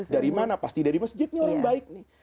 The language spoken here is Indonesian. dari mana pasti dari masjidnya orang baik nih